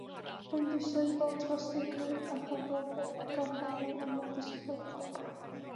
Ymddiswyddodd dros ei gred a chafodd ei garcharu am weddill y rhyfel